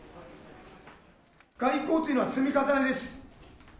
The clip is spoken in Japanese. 外交というのは積み重ねです。